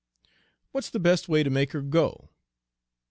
"What's the best way to make her go?"